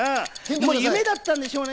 夢だったんでしょうね。